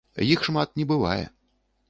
Іх шмат не бывае.